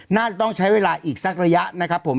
น่าจะต้องใช้เวลาอีกสักระยะนะครับผม